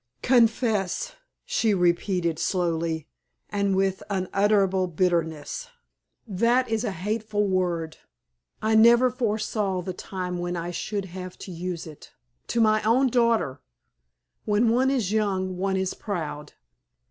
"Confess," she repeated, slowly, and with unutterable bitterness. "That is a hateful word. I never foresaw the time when I should have to use it to my own daughter! When one is young one is proud."